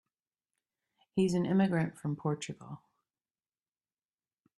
He's an immigrant from Portugal.